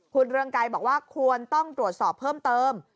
คุณเรืองไกรบอกว่าควรต้องตรวจสอบเพิ่มเติม